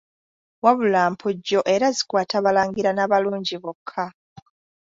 Wabula mpujjo era zikwata balangira na balungi bokka.